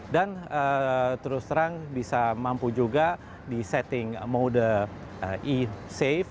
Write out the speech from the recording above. dan terus terang bisa mampu juga disetting mode e safe